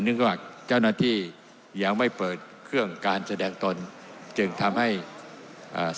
ว่าเจ้าหน้าที่ยังไม่เปิดเครื่องการแสดงตนจึงทำให้อ่า